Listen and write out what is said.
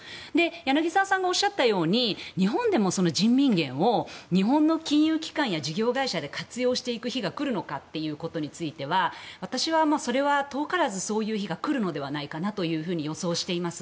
柳澤さんがおっしゃったように日本でも人民元を日本の金融機関や事業会社で活用していく日が来るのかということについては私はそれは遠からずそういう日が来るのではと予想しています。